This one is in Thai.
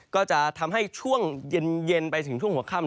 ก็จะทำให้ช่วงเย็นไปถึงช่วงหัวค่ำ